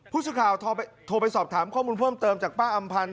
ผู้สื่อข่าวโทรไปสอบถามข้อมูลเพิ่มเติมจากป้าอำพันธ์